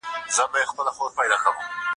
ګناه مي دونه ډيره ، په حساب کي نه ځايږي